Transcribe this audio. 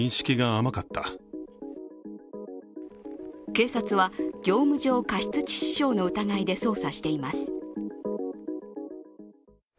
警察は業務上過失致死傷の疑いで捜査しています。